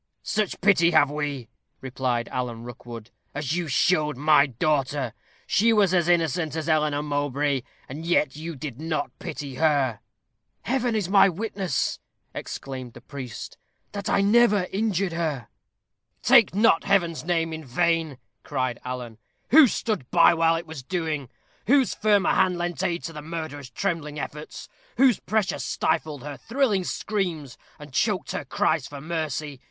"Such pity have we," replied Alan Rookwood, "as you showed my daughter. She was as innocent as Eleanor Mowbray, and yet you did not pity her." "Heaven is my witness," exclaimed the priest, "that I never injured her." "Take not Heaven's name in vain," cried Alan. "Who stood by while it was doing? Whose firmer hand lent aid to the murderer's trembling efforts? Whose pressure stifled her thrilling screams, and choked her cries for mercy?